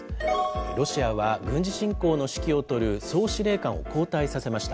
ロシアは軍事侵攻の指揮を執る総司令官を交代させました。